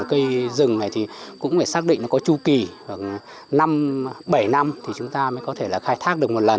cây rừng này thì cũng phải xác định nó có chu kỳ khoảng năm bảy năm thì chúng ta mới có thể là khai thác được một lần